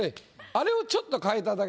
あれをちょっと変えたら。